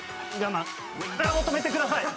もう止めてください！